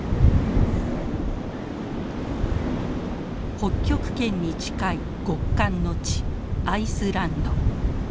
北極圏に近い極寒の地アイスランド。